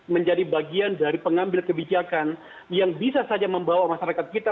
menjadi bagian dari pengambil kebijakan yang bisa saja membawa masyarakat kita ke kebanyakan kemampuan kita